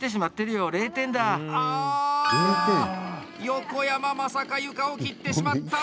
横山、まさか床を切ってしまった！